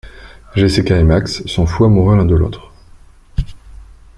Jessica et Max sont fous amoureux l'un de l'autre.